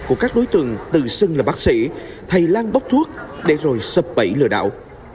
của các đối tượng tự xưng là bác sĩ thầy lan bốc thuốc để rồi sập bẫy lừa đảo